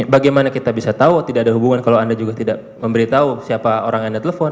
bagaimana kita bisa tahu tidak ada hubungan kalau anda juga tidak memberitahu siapa orang anda telepon